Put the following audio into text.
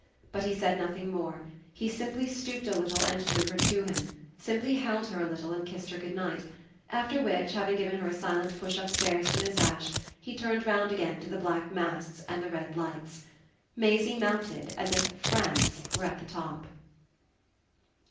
But he said nothing more; he simply stooped a little and drew her to him simply held her a little and kissed her goodnight; after which, having given her a silent push upstairs to Miss Ash, he turned round again to the black masts and the red lights. Maisie mounted as if France were at the top.